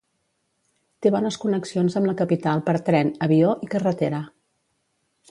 Té bones connexions amb la capital per tren, avió i carretera.